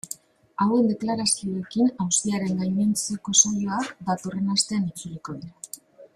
Hauen deklarazioekin auziaren gainontzeko saioak datorren astean itzuliko dira.